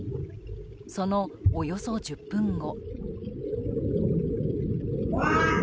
そのおよそ１０分後。